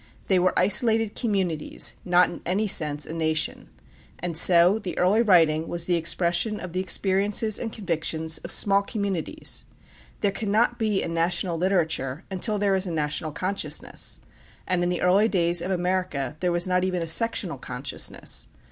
They were isolated communities, not in any sense a nation. And so the early writing was the expression of the experiences and convictions of small communities. There cannot be a national literature until there is a national consciousness; and in the early days in America there was not even a sectional consciousness.